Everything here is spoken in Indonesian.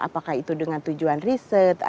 apakah itu dengan tujuan riset